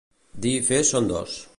Dir i fer són dos.